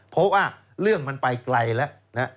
เพราะว่าเรื่องมันไปไกลแล้วนะ